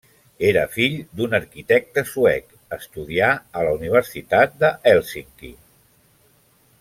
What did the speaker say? Era fill d'un arquitecte suec, estudià a la Universitat de Hèlsinki.